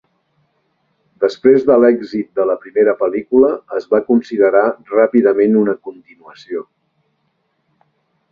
Després de l'èxit de la primera pel·lícula, es va considerar ràpidament una continuació.